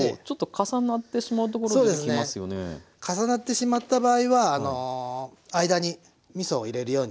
重なってしまった場合はあの間にみそを入れるようにして下さい。